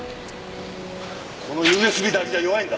このＵＳＢだけじゃ弱いんだ。